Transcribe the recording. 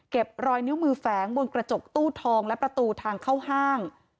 รอยนิ้วมือแฝงบนกระจกตู้ทองและประตูทางเข้าห้าง